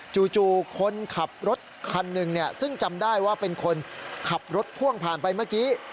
คนขับรถคันหนึ่งซึ่งจำได้ว่าเป็นคนขับรถพ่วงผ่านไปเมื่อกี้